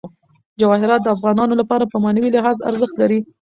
جواهرات د افغانانو لپاره په معنوي لحاظ ارزښت لري.